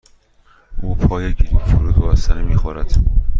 او پای گریپ فروت با بستنی می خورد.